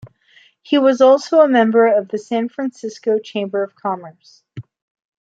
He was also a member of the San Francisco Chamber of Commerce.